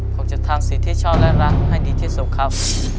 ผมจะทำสิ่งที่ชอบและรักให้ดีที่สุดครับ